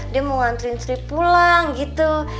dia mau ngantriin sri pulang gitu